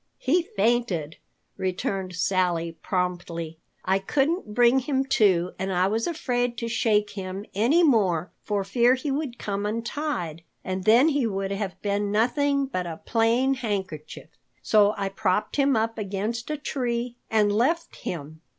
He fainted," returned Sally promptly. "I couldn't bring him to and I was afraid to shake him any more for fear he would come untied, and then he would have been nothing but a plain handkerchief. So I propped him up against a tree and left him.